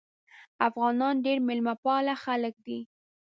افغانان ډیر میلمه پاله خلک دي.